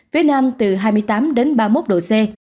phía nam từ hai mươi tám đến ba mươi một độ c